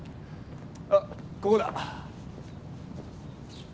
あっここだ。